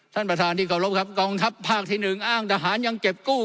ท่านประธานที่เคารพครับกองทัพภาคที่หนึ่งอ้างทหารยังเก็บกู้